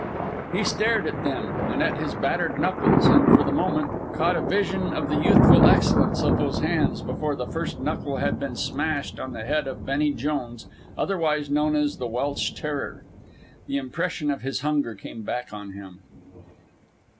He stared at them and at his battered knuckles, and, for the moment, caught a vision of the youthful excellence of those hands before the first knuckle had been smashed on the head of Benny Jones, otherwise known as the Welsh Terror. The impression of his hunger came back on him.